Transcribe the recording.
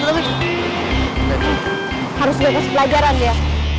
harus bebas pelajaran ya